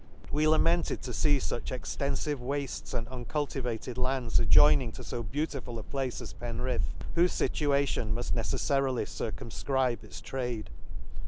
We lamented to fee filch extenfive w^fts and uncultivated lands, adjoining to fo beautiful a place as Penrith, whofe filia tion mull neceffarily circumfcribe its trade.